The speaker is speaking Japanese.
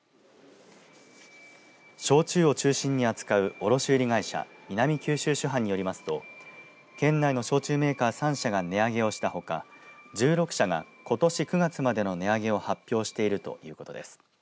焼酎を中心に扱う卸売会社南九州酒販によりますと県内の焼酎メーカー３社が値上げをしたほか１６社が、ことし９月までの値上げを発表しているということです。